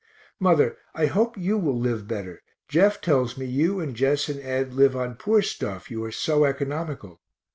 Mother, I hope you will live better Jeff tells me you and Jess and Ed live on poor stuff, you are so economical.